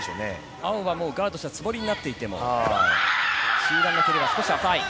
青はガードしたつもりになっていても中段の蹴りは少し浅い。